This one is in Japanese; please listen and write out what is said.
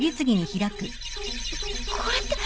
これって。